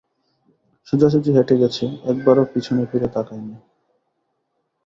সোজাসুজি হেঁটে গেছে, একবারও পেছনে ফিরে তাকায় নি।